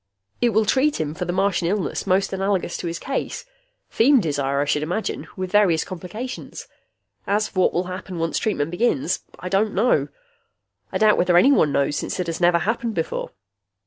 "It will treat him for the Martian illness most analogous to his case. Feem desire, I should imagine, with various complications. As for what will happen once treatment begins, I don't know. I doubt whether anyone knows, since it has never happened before.